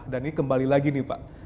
dan ini kembali lagi nih pak